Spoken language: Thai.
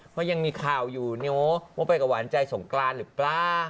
เพราะยังมีข่าวอยู่เนอะว่าไปกับหวานใจสงกรานหรือเปล่า